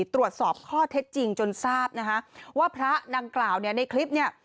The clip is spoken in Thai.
ตรวจสอบข้อเท็จจริงจนทราบนะคะว่าพระดังกล่าวเนี่ยในคลิปเนี่ย